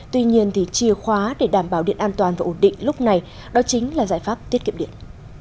tuy nhiên thì chìa khóa để đảm bảo điện an toàn và ổn định lúc này đó chính là giải pháp tiết kiệm điện